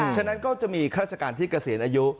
ฉะนั้นก็จะมีข้าราชการที่เกษียณอายุ